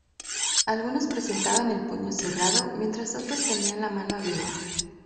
Algunos presentaban el puño cerrado mientras otros tenían la mano abierta.